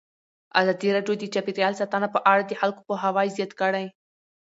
ازادي راډیو د چاپیریال ساتنه په اړه د خلکو پوهاوی زیات کړی.